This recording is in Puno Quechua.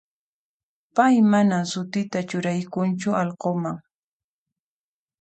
Pay mana sutita churaykunchu allqunman.